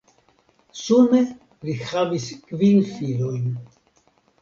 Sume li havis kvin filojn.